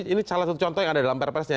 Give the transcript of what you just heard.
ini salah satu contoh yang ada dalam perpresnya